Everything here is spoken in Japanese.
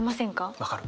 分かる。